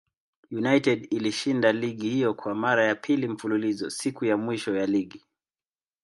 United ilishinda ligi hiyo kwa mara ya pili mfululizo siku ya mwisho ya ligi.